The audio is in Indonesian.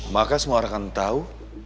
maka semua orang akan tahu